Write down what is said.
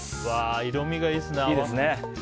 色味がいいですね。